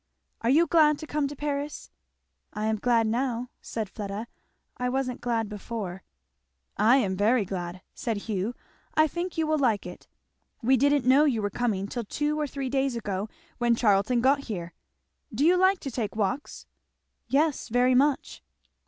"Are you glad to come to Paris?" "I am glad now," said Fleda. "I wasn't glad before." "I am very glad," said Hugh. "I think you will like it. We didn't know you were coming till two or three days ago when Charlton got here. Do you like to take walks?" "Yes, very much."